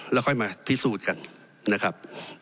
แล้วค่อยมาพิสูจน์กันนะครับ